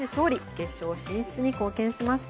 決勝進出に貢献しました。